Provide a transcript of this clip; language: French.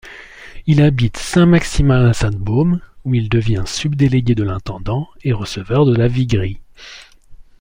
Il habite Saint-Maximin-la-Sainte-Baume, où il devient subdélégué de l'intendant, et receveur de la viguerie.